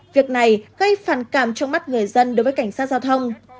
việc này gây phản cảm trong mắt người dân đối với cảnh sát giao thông